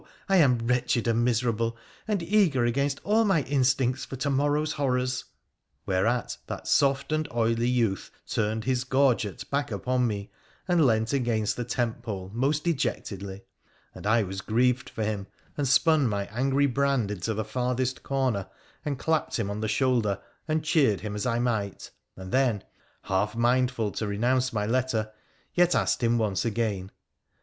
I am wretched and miserable, and eager against all my instincts for to morrow's horrors !' Whereat that soft and silly youth turned his gorget back upon me and lent against the tent pole most dejectedly. And I was grieved for him, and spun my angry brand into the farthest corner, and clapped him on the shoulder, and cheered him as I might, and then, half mindful to renounce my letter, yet asked him once again.